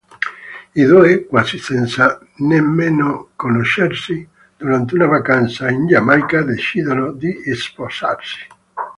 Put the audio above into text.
I due, quasi senza nemmeno conoscersi, durante una vacanza in Giamaica decidono di sposarsi.